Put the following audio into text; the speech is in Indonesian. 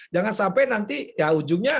jangan sampai nanti ya ujungnya